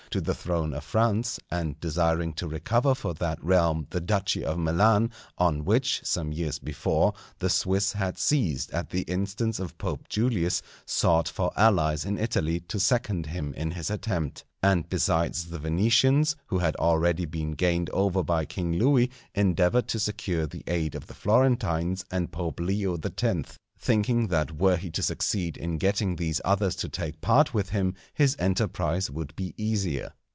to the throne of France, and desiring to recover for that realm the Duchy of Milan, on which, some years before, the Swiss had seized at the instance of Pope Julius, sought for allies in Italy to second him in his attempt; and besides the Venetians, who had already been gained over by King Louis, endeavoured to secure the aid of the Florentines and Pope Leo X.; thinking that were he to succeed in getting these others to take part with him, his enterprise would be easier.